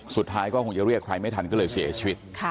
สุดท้ายก็คงจะเรียกใครไม่ทันก็เลยเสียชีวิต